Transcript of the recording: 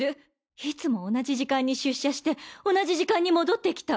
いつも同じ時間に出社して同じ時間に戻ってきた。